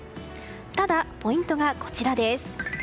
ただ、ポイントがこちらです。